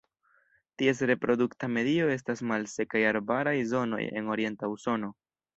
Ties reprodukta medio estas malsekaj arbaraj zonoj en orienta Usono.